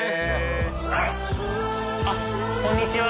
あっこんにちは。